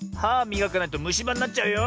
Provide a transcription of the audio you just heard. みがかないとむしばになっちゃうよ。